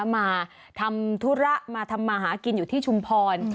มาทำธุระมาทำมาหากินอยู่ที่ชุมพร